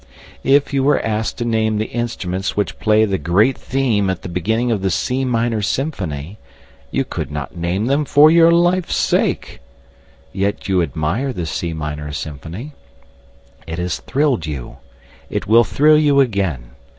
If you were asked to name the instruments which play the great theme at the beginning of the C minor symphony you could not name them for your life's sake. Yet you admire the C minor symphony. It has thrilled you. It will thrill you again.